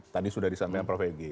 tadi sudah disampaikan prof egy